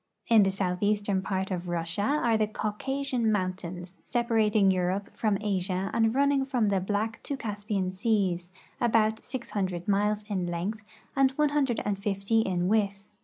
In the southeastern part of Russia are the Caucasian mountains, separating Europe from Asia and running from the Black to the Caspian seas, about 600 miles in length and 150 in width.